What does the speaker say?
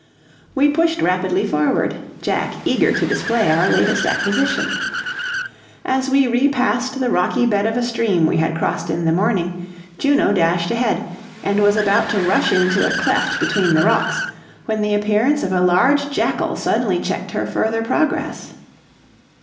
We pushed rapidly forward, Jack eager to display our latest acquisition. As we repassed the rocky bed of a stream we had crossed in the morning, Juno dashed ahead, and was about to rush into a cleft between the rocks, when the appearance of a large jackal suddenly checked her further progress.